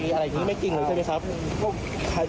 มันไม่จริงหรือใช่ไหมครับ